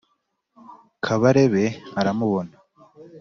Kabarebe aramubona